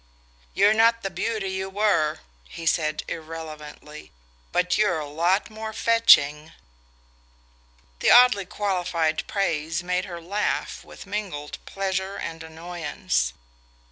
"You're not the beauty you were," he said irrelevantly; "but you're a lot more fetching." The oddly qualified praise made her laugh with mingled pleasure and annoyance.